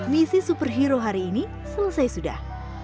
misi superhero hari ini selesai sudah